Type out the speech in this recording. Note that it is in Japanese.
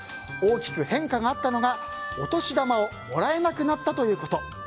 大きく変化があったのがお年玉をもらえなくなったということ。